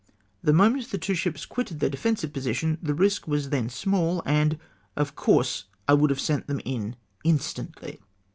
— "The moment the two ships quitted their de fensive position, the risk was then small, and OF course I WOULD HAVE SENT THEM IN INSTANTLY."